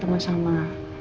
tadi kamu habis ketemu sama